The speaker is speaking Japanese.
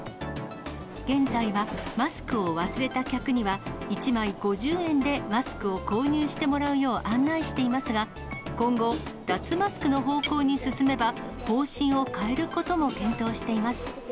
現在は、マスクを忘れた客には、１枚５０円でマスクを購入してもらうよう案内していますが、今後、脱マスクの方向に進めば、方針を変えることも検討しています。